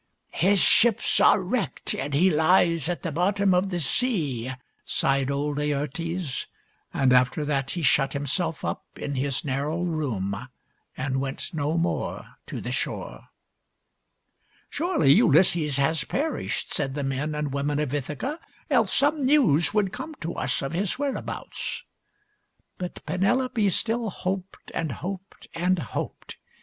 His ships are wrecked, and he lies at the bottom of the sea," sighed old Laertes ; and after that he shut himself up in his narrow room and went no more to the shore. " Surely Ulysses has perished," said the men and women of Ithaca ;" else some news would come to us of his whereabouts." But Penelope still hoped and hoped and hoped.